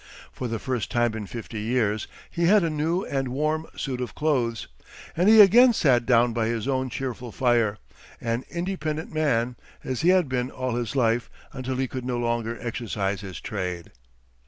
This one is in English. For the first time in fifty years he had a new and warm suit of clothes, and he again sat down by his own cheerful fire, an independent man, as he had been all his life until he could no longer exercise his trade.